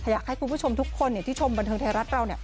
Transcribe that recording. อยากให้คุณผู้ชมทุกคนที่ชมบันเทิงไทยรัฐเรา